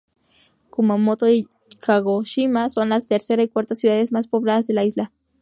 Kumamoto y Kagoshima son las tercera y cuarta ciudades más pobladas de la isla.